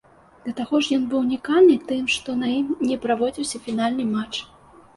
Да таго ж ён быў унікальны тым, што на ім не праводзіўся фінальны матч.